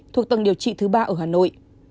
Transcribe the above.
thuộc tầng điều trị thứ ba ở hà nội